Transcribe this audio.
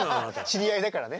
知り合いだからね。